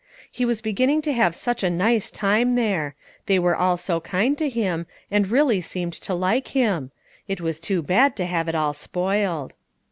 He was beginning to have such a nice time there; they were all so kind to him, and really seemed to like him. It was too bad to have it all spoiled.